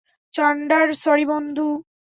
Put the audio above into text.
চান্ডার, sorry বন্ধু।